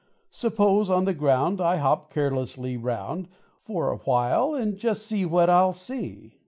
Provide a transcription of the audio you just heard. Suppose on the ground I hop carelessly round For awhile, and just see what I'll see."